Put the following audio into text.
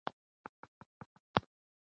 د هغې ژوند کې یوازې یوه پېژندل شوې مینه وه.